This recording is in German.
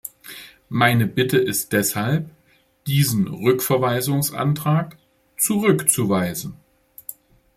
Meine Bitte ist deshalb, diesen Rückverweisungsantrag zurückzuweisen!